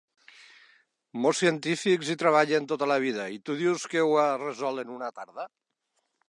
Molts científics hi treballen tota la vida i tu dius que ho has resolt en una tarda?